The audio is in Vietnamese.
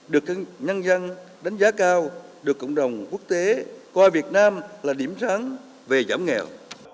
được nhân dân đánh giá cao được cộng đồng quốc tế coi việt nam là điểm sáng về giảm nghèo